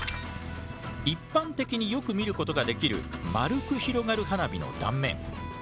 一般的によく見ることができる丸く広がる花火の断面。